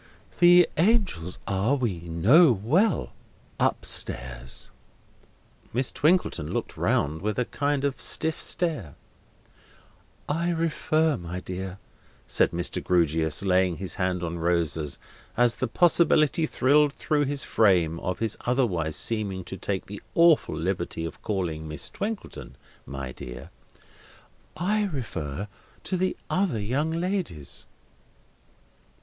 The angels are, we know very well, up stairs." Miss Twinkleton looked round with a kind of stiff stare. "I refer, my dear," said Mr. Grewgious, laying his hand on Rosa's, as the possibility thrilled through his frame of his otherwise seeming to take the awful liberty of calling Miss Twinkleton my dear; "I refer to the other young ladies."